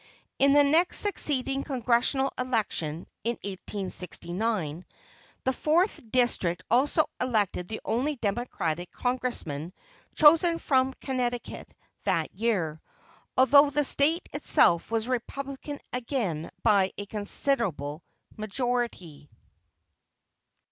In the next succeeding Congressional election, in 1869, the Fourth District also elected the only democratic congressman chosen from Connecticut that year, although the State itself was republican again by a considerable majority.